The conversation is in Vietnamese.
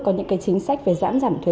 có những cái chính sách về giảm giảm thuế